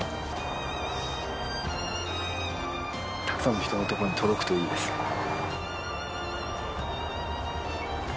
たくさんの人のところに届くといいですね。